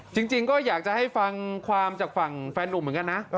จริงก็อยากจะให้ฟังความจากฝั่งแฟนหนุ่มเหมือนกันนะ